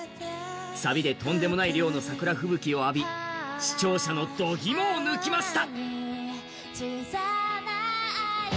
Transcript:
サビでとんでもない量の桜吹雪を浴び視聴者のどぎもを抜きました。